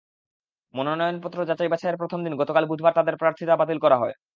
মনোনয়নপত্র যাচাই-বাছাইয়ের প্রথম দিন গতকাল বুধবার তাঁদের প্রার্থিতা বাতিল করা হয়।